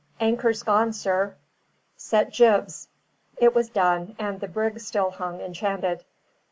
"Anchor's gone, sir." "Set jibs." It was done, and the brig still hung enchanted.